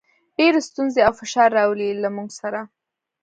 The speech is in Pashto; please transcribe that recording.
ډېرې ستونزې او فشار راولي، له موږ سره.